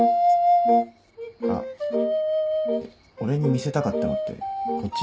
あっ俺に見せたかったのってこっち？